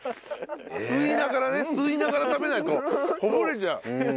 吸いながらね吸いながら食べないとこぼれちゃう。